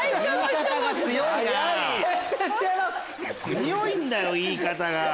強いんだよ言い方が。